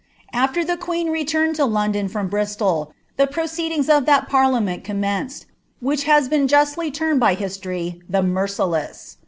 Ailer the queen i«iiia^ ID London from Bristol, the proceedings of that parliament eornvMCi'i which has been justly termed by history, the Merciless.